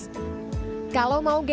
kalau mau ganti jangan lupa di subscribe